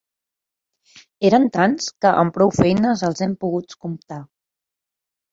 Eren tants, que amb prou feines els hem poguts comptar.